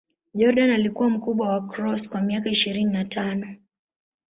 Jordan alikuwa mkubwa wa Cross kwa miaka ishirini na tano.